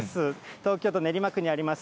東京都練馬区にあります